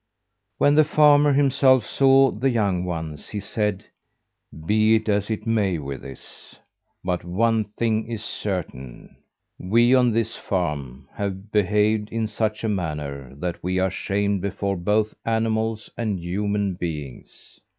When the farmer himself saw the young ones, he said: "Be it as it may with this; but one thing is certain, we, on this farm, have behaved in such a manner that we are shamed before both animals and human beings."